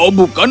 itu itu basel